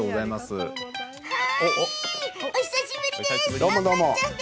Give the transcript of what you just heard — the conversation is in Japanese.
お久しぶりです。